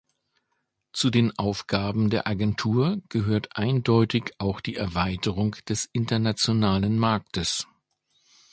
Zu den Aufgaben der Agentur gehört eindeutig auch die Erweiterung des internationalen Marktes.